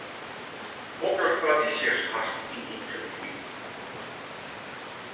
Hokker tradysjes hast yn dyn famylje?